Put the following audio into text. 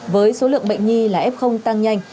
với số lượng bệnh nhi là f tăng nhanh